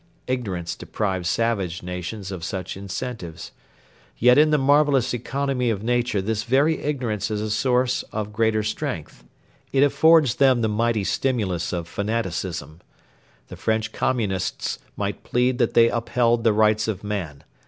Ignorance deprives savage nations of such incentives. Yet in the marvellous economy of nature this very ignorance is a source of greater strength. It affords them the mighty stimulus of fanaticism. The French Communists might plead that they upheld the rights of man.